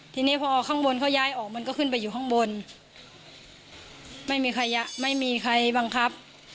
ทีนี้พอข้างบนเขาย้ายออกมันก็ขึ้นไปอยู่ข้างบนไม่มีใครไม่มีใครบังคับ